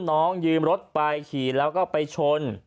น้องยืมรถไปขี่แล้วก็ไปชน